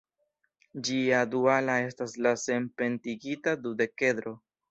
Ĝia duala estas la senpintigita dudekedro.